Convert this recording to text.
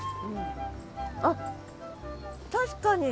あっ確かに。